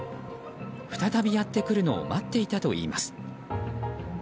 再びやってくるのを待っていたといいます。